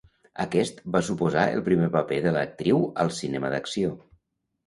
Aquest va suposar el primer paper de l'actriu al cinema d'acció.